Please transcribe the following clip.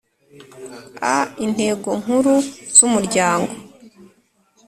a Intego nkuru z umuryango